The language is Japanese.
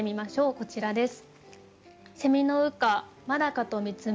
こちらです。